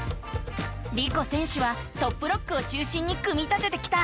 リコ選手はトップロックを中心に組み立ててきた。